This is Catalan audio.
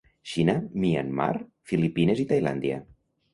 Xina, Myanmar, Filipines i Tailàndia.